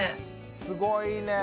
すごいね。